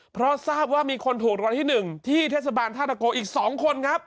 เพราะทราบว่ามีคนถูกรางวัลที่๑ที่เทศบาลธาตะโกอีก๒คนครับ